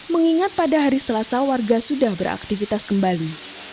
mengingat pada hari selasa warga sudah beraktivitas kembali